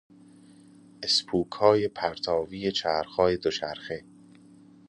اسپوکهای پرتاوی چرخهای دوچرخه